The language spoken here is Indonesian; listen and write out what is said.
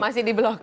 masih di blok